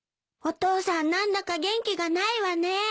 お父さん何だか元気がないわね。